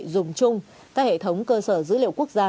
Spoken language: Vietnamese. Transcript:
dùng chung các hệ thống cơ sở dữ liệu quốc gia